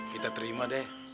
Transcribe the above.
kita terima deh